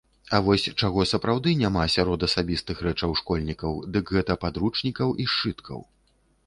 А вось чаго сапраўды няма сярод асабістых рэчаў школьнікаў, дык гэта падручнікаў і сшыткаў.